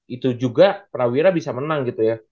itu juga prawira bisa menang gitu ya